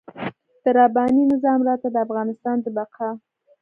د رباني نظام راته د افغانستان د بقا.